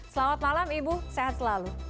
selamat malam ibu sehat selalu